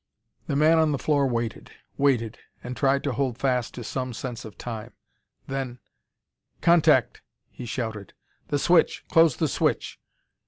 The man on the floor waited, waited, and tried to hold fast to some sense of time. Then: "Contact!" he shouted. "The switch! Close the switch!"